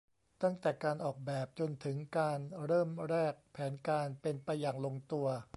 ตั้งแต่การออกแบบจนถึงการเริ่มแรก แผนการเป็นไปอย่างลงตัว